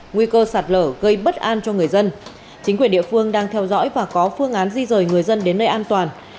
nguy cơ sạt lở gây bất an cho người dân chính quyền địa phương đang theo dõi và có phương án di rời người dân đến nơi an toàn